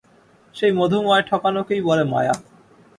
সেই মধুময় ঠকানোকেই বলে মায়া।